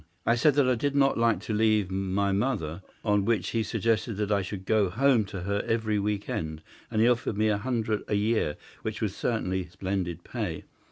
I said that I did not like to leave my mother, on which he suggested that I should go home to her every week end, and he offered me a hundred a year, which was certainly splendid pay.